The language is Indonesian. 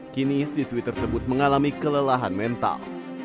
kini siswi tersebut mengalami kelelahan mental